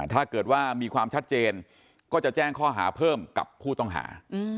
ถ้าเกิดว่ามีความชัดเจนก็จะแจ้งข้อหาเพิ่มกับผู้ต้องหา